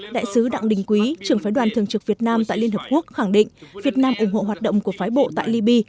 đại sứ đặng đình quý trưởng phái đoàn thường trực việt nam tại liên hợp quốc khẳng định việt nam ủng hộ hoạt động của phái bộ tại libya